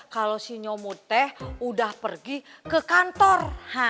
kalau si nyomu teh udah pergi ke kantor